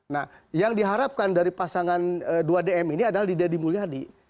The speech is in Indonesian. nah yang diharapkan dari pasangan dua dm ini adalah di deddy mulyadi